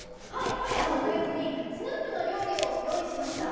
今夜は特別にスヌープの料理を用意しました。